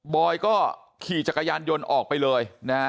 อยก็ขี่จักรยานยนต์ออกไปเลยนะฮะ